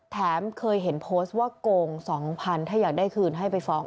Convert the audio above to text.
แถมเคยเห็นโพสต์ว่าโกง๒๐๐๐ถ้าอยากได้คืนให้ไปฟ้อง